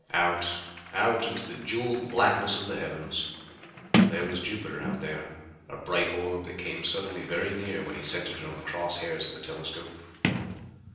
Out out into the jeweled blackness of the heavens. There was Jupiter out there, a bright orb that came suddenly very near when he centered it on the cross hairs of the telescope.